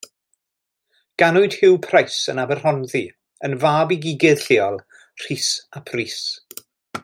Ganwyd Hugh Price yn Aberhonddu, yn fab i gigydd lleol, Rhys ap Rhys.